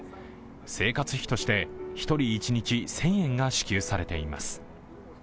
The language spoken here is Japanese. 生活費として１人一日１０００円が支給されています。